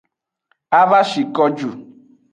A va shi ko ju.